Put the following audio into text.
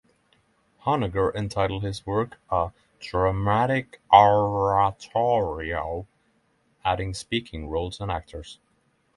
Honegger entitled his work a "dramatic oratorio", adding speaking roles and actors.